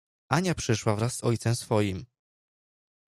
Ania przyszła wraz z ojcem swoim!